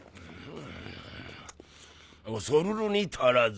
恐るるに足らず。